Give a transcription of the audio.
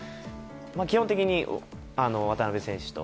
基本的に渡邊選手と。